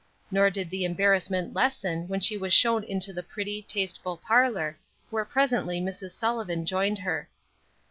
Nor did the embarrassment lessen when she was shown into the pretty, tasteful parlor, where presently Mrs. Sullivan joined her.